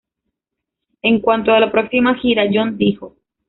En cuanto a la próxima gira, Jon dijo:.